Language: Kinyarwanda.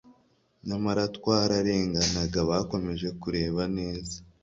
nyamara twararenganaga bakomeje kureba neza